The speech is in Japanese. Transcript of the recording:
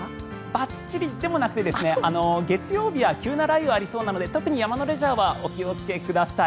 ばっちりでもなくて月曜日は急な雷雨がありそうなので山のレジャーはお気をつけください。